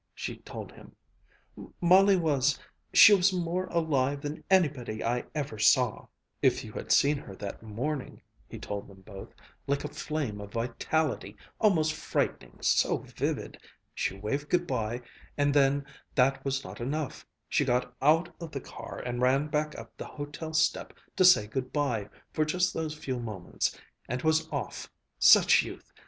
she told him; "Molly was she was more alive than anybody I ever saw!" "If you had seen her that morning," he told them both, "like a flame of vitality almost frightening so vivid. She waved good bye, and then that was not enough; she got out of the car and ran back up the hotel step to say good bye for just those few moments and was off such youth!